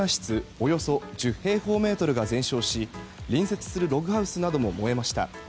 およそ１０平方メートルが全焼し隣接するログハウスなども燃えました。